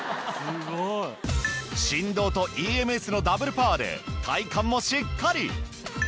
振動とＥＭＳのダブルパワーで体幹もしっかり。